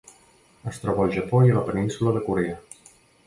Es troba al Japó i la Península de Corea.